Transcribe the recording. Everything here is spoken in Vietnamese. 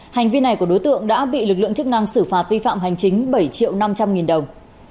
hành vi này của đối tượng đã bị lực lượng chức năng xử phạt vi phạm hành chính bảy triệu năm trăm linh nghìn đồng